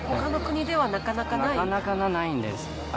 なかなかないんです。